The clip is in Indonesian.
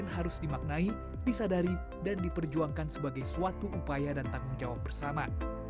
harus dimaknai disadari dan diperjuangkan sebagai suatu upaya dan tanggung jawab bersama